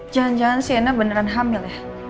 jangan jangan cnn beneran hamil ya